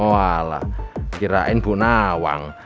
walah kirain bu nawang